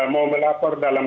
mau melapor dalam